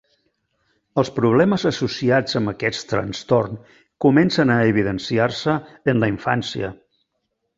Els problemes associats amb aquest trastorn comencen a evidenciar-se en la infància.